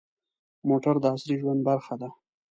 موټر د عصري ژوند برخه ده.